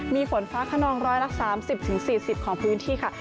มีฝนฟ้าขนองร้อยละ๓๐๔๐ของพื้นที่ค่ะ